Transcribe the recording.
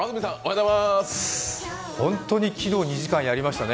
本当に昨日、２時間やりましたね。